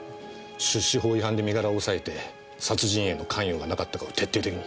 出資法違反で身柄を押さえて殺人への関与がなかったかを徹底的に。